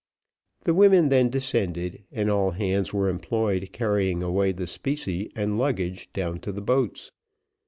The women then descended, and all hands were employed carrying away the specie and luggage down to the boats.